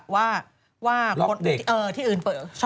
ว่าที่อื่นเปิด